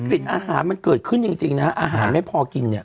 กลิ่นอาหารมันเกิดขึ้นจริงนะฮะอาหารไม่พอกินเนี่ย